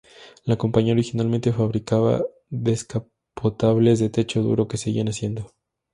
La compañía originalmente fabricaba descapotables de techo duro, que seguían haciendo.